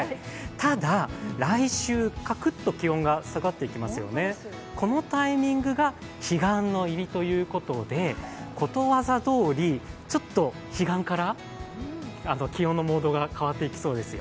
ただ来週、気温がかくっと気温が下がっていきますよね、このタイミングが彼岸の入りということでことわざどおり、彼岸から気温のモードが変わってきそうですよ。